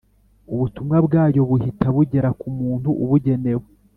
ubutumwa bwayo buhita bugera ku muntu ubugenewe